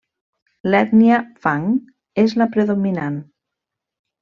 L'ètnia Fang és la predominant.